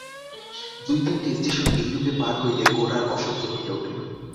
দুই-তিনটি station এইরূপে পার হইলে গোরার অসহ্য হইয়া উঠিল।